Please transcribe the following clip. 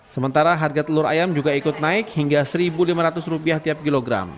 sementara harga telur ayam juga ikut naik hingga rp satu lima ratus tiap kilogram